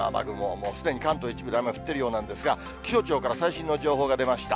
もうすでに関東一部で雨降ってるようなんですが、気象庁から最新の情報が出ました。